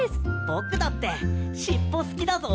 ぼくだってしっぽすきだぞ。